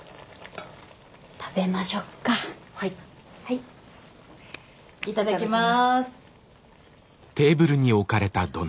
いただきます。